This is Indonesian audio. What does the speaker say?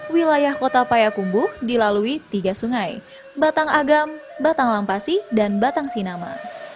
wilayah kota payakumbuh dilalui tiga sungai batang agam batang lampasi dan batang sinama